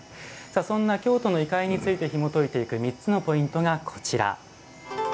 そんな京都の異界についてひもといていく３つのポイントが、こちら。